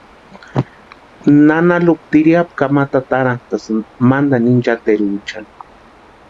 Nana Lupa tiriapu kamata atarantʼasïnti mantani inchateruchani.